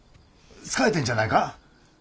疲れてんじゃないか？